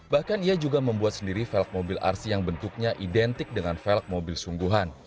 bahkan ia juga membuat sendiri vel mobil rc yang bentuknya identik dengan velg mobil sungguhan